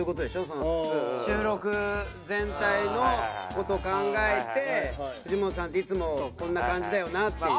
その収録全体の事を考えてフジモンさんっていつもこんな感じだよなっていう。